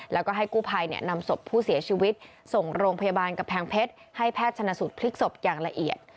แล้วก็ให้กู้ภัยนำศพผู้เสียชีวิตส่งโรงพยาบาลกำแพงเพชรให้แพทย์ชนะสูตรพลิกศพอย่างละเอียด